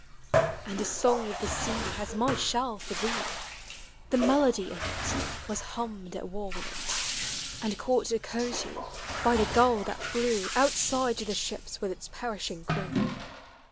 And a song of the s«;i Has mv shell for thee: The melody in it Was hummed at Wauwinet, And caught at Coatue By the gull that Hew Outside to the ships with its perishing crew.